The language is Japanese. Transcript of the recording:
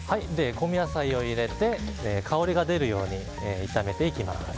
香味野菜を入れて香りが出るように炒めていきます。